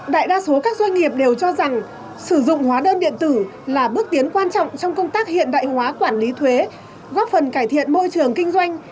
đại đa số các doanh nghiệp đều cho rằng sử dụng hóa đơn điện tử là bước tiến quan trọng trong công tác hiện đại hóa quản lý thuế góp phần cải thiện môi trường kinh doanh